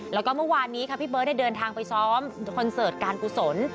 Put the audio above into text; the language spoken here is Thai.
แล้วก็เมื่อวานนี้ค่ะพี่เบิร์ตได้เดินทางไปซ้อมคอนเสิร์ตการกุศล